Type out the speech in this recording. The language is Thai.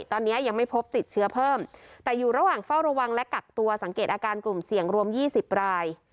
ตอนนี้ยังไม่พบติดเชื้อเพิ่มแต่อยู่ระหว่างเฝ้าระวังและกักตัวสังเกตอาการกลุ่มเสี่ยงรวม๒๐ราย